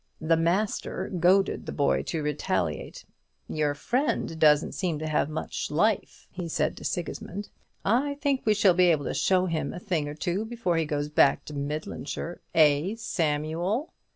The "Master" goaded the boy to retaliate. "Your friend don't seem to have seen much life," he said to Sigismund. "I think we shall be able to show him a thing or two before he goes back to Midlandshire, eh, Samuel?"